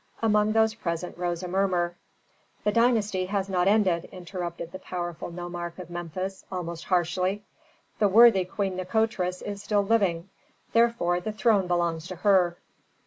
Among those present rose a murmur. "The dynasty has not ended," interrupted the powerful nomarch of Memphis, almost harshly. "The worthy Queen Nikotris is still living, therefore the throne belongs to her."